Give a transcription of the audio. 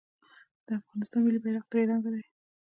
د افغانستان ملي بیرغ درې رنګه دی